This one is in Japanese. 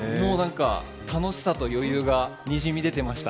楽しさと余裕がにじみ出ていました。